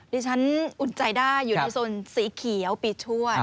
ปีฉันอุ่นใจได้อยู่ที่ส่วนสีเขียวปีถ้วน